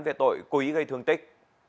về tội cú ý gây thương tích